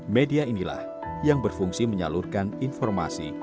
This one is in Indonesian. media inilah yang berfungsi menyalurkan informasi